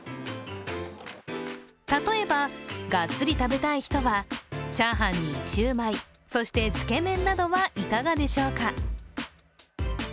例えばガッツリ食べたい人はチャーハンにシュウマイそして、つけ麺などはいかがでしょうか。